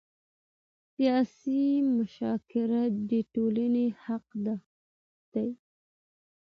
سیاسي مشارکت د ټولنې حق دی